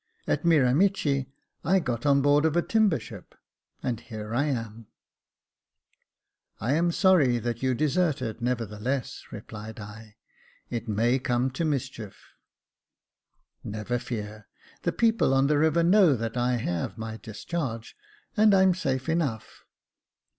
At Miramichi, I got on board of a timber ship, and here I am." '* I am sorry that you deserted, nevertheless," replied I ;" it may come to mischief." " Never fear : the people on the river know that I have my discharge, and I'm safe enough."